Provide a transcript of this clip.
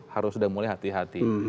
harus sudah mulai hati hati